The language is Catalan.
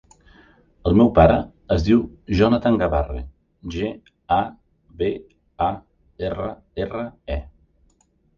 El meu pare es diu Jonathan Gabarre: ge, a, be, a, erra, erra, e.